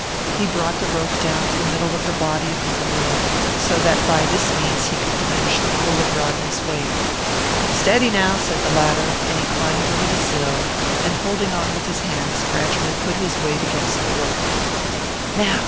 He brought the rope down to the middle of the body of the bureau, so that by this means he could diminish the pull of Rodney's weight. "Steady now," said the latter; and he climbed over the sill, and, holding on with his hands, gradually put his weight against the rope. "Now!